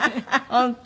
本当？